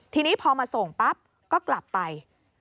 ทีนี้พอมาส่งปั๊บก็กลับไป